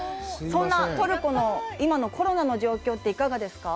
そんなトルコの今のコロナの状況って、いかがですか。